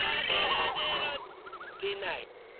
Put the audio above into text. でない。